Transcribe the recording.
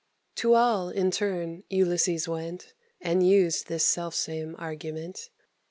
To all, in turn, Ulysses went, And used this selfsame argument.